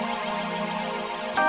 saya sudah berhenti